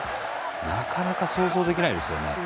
なかなか、想像できないですよね。